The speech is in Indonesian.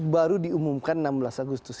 baru diumumkan enam belas agustus